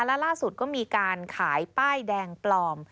และล่าสุดก็มีการขายป้ายแดงปลอม